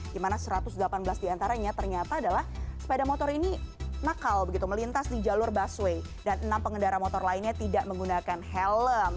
di mana satu ratus delapan belas diantaranya ternyata adalah sepeda motor ini nakal begitu melintas di jalur busway dan enam pengendara motor lainnya tidak menggunakan helm